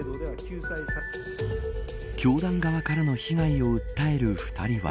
教団側からの被害を訴える２人は。